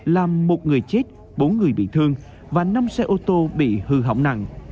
làm một người chết bốn người bị thương và năm xe ô tô bị hư hỏng nặng